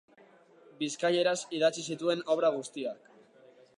Bizkaieraz idatzi zituen obra guztiak.